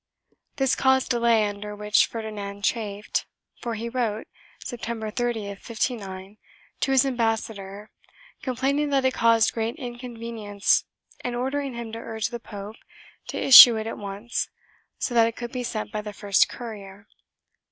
This caused delay under which Ferdinand chafed, for he wrote, September 30, 1509, to his ambassador complaining that it caused great inconvenience and ordering him to urge the pope to issue it at once so that it could be sent by the first courier.